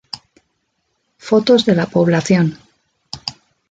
Fotos de la población